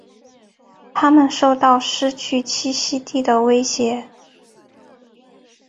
它们受到失去栖息地的威胁。